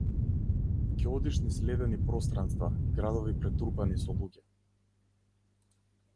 Ќе одиш низ ледени пространства и градови претрупани со луѓе.